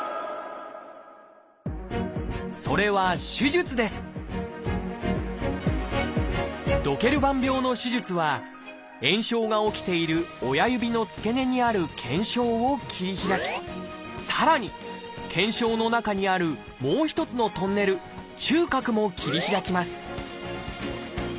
それはドケルバン病の手術は炎症が起きている親指の付け根にある腱鞘を切り開きさらに腱鞘の中にあるもう一つのトンネル「中隔」も切り開きます。